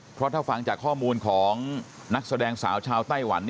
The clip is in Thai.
เพราะถ้าฟังจากข้อมูลของนักแสดงสาวชาวไต้หวัน